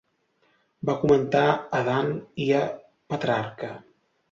Va comentar a Dant i a Petrarca.